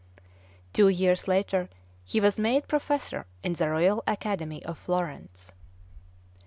Two years later, he was made professor in the Royal Academy of Florence.